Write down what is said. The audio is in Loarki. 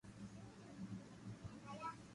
جو ا، ي روٽي کاو ھون